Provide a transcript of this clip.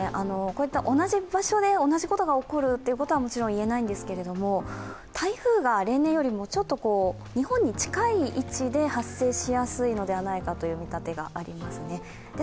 同じ場所で同じことが起こるとはもちろん言えないんですけれども台風が例年よりも日本に近い位置で発生しやすいのではないかという見立てがありますね。